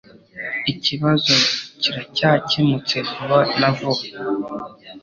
Ikibazo kiracyakemutse vuba na vuba